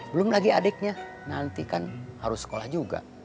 belum lagi adiknya nanti kan harus sekolah juga